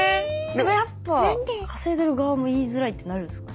やっぱ稼いでる側も言いづらいってなるんですか？